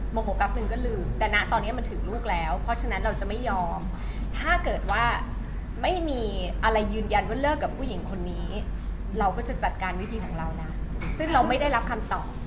โมโหแป๊บนึงก็ลืมแต่นะตอนนี้มันถึงลูกแล้วเพราะฉะนั้นเราจะไม่ยอมถ้าเกิดว่าไม่มีอะไรยืนยันว่าเลิกกับผู้หญิงคนนี้เราก็จะจัดการวิธีของเรานะซึ่งเราไม่ได้รับคำตอบ